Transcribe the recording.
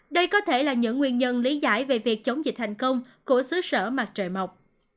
đây có thể là những nguyên nhân lý giải về việc chống dịch thành công của xứ sở mặt trời mọc